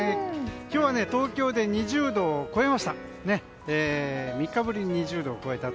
今日は東京で２０度を超えました。